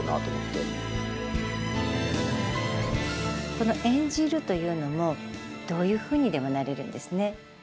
この演じるというのもどういうふうにでもなれるんですね。